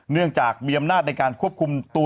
เนื่องจากมีอำนาจในการควบคุมตัว